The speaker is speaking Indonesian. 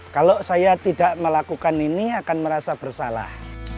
kalau saya tidak melakukan ini akan merasa bersalah